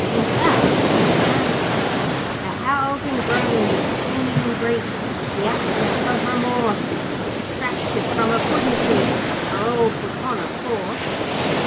In fact, as Sam said 'The howls and groans of pain and grief, The accents of remorse, Extracted from a puddin' thief Are all put on, of course.'